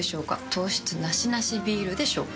糖質ナシナシビールでしょうか？